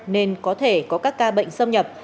nên có thể có các ca bệnh xâm nhập